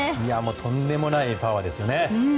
とんでもないパワーですよね。